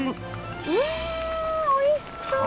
うわおいしそうだ。